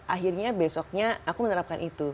akhirnya besoknya aku menerapkan itu